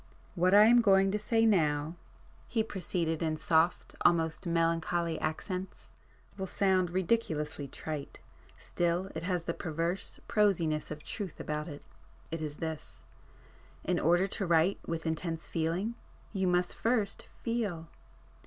"What I am going to say now," he proceeded in soft, almost melancholy accents—"will sound ridiculously trite,—still it has the perverse prosiness of truth about it. It is this—in order to write with intense feeling, you must first feel.